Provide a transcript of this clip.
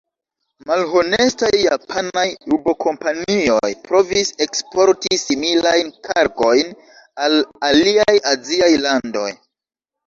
Malhonestaj japanaj rubo-kompanioj provis eksporti similajn kargojn al aliaj aziaj landoj.